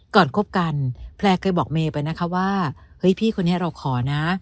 คบกันแพลร์เคยบอกเมย์ไปนะคะว่าเฮ้ยพี่คนนี้เราขอนะ